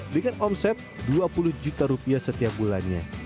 dengan omset rp dua puluh juta setiap bulannya